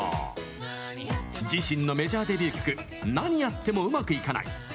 自身のメジャーデビュー曲「なにやってもうまくいかない」